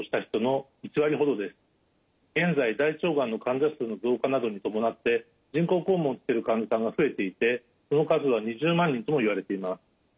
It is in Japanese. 現在大腸がんの患者数の増加などに伴って人工肛門をつける患者さんが増えていてその数は２０万人ともいわれています。